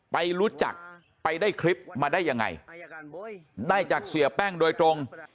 ไปรู้จักไปได้คลิปมาได้ยังไงได้จากเสียแป้งโดยตรง